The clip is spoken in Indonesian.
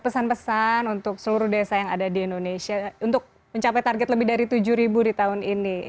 pesan pesan untuk seluruh desa yang ada di indonesia untuk mencapai target lebih dari tujuh ribu di tahun ini